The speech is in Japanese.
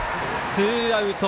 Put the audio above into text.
ツーアウト。